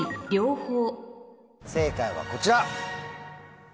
正解はこちら。